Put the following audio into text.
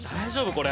これ。